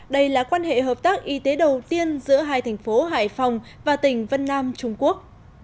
đây là quan hệ hợp tác y tế đầu tiên giữa hai thành phố hải phòng và tỉnh vân nam trung quốc